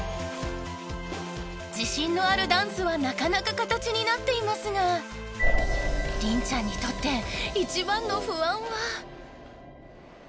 ［自信のあるダンスはなかなか形になっていますが凛ちゃんにとって］